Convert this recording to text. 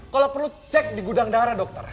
kalau perlu cek di gudang darah dokter